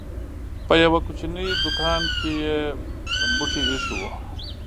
په يوه کوچنۍ دوکان کې یې بوټي اېښي وو.